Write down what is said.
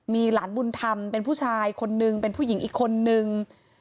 มีหลานบุญธรรมเป็นผู้ชายคนนึงเป็นผู้หญิงอีกคนนึง